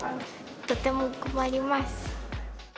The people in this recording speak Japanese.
とても困ります。